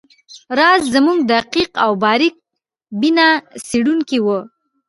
راز زموږ دقیق او باریک بینه څیړونکی وو